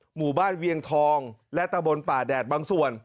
หมู่บ้านเวียงทองและตะบนป่าแดดบางส่วน